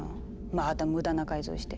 また無駄な改造して。